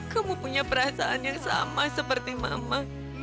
kamu punya perasaan yang sama seperti mama